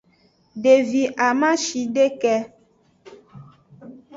Devi amashideke.